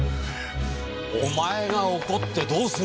お前が怒ってどうする！